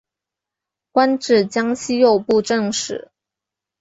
官至江西右布政使。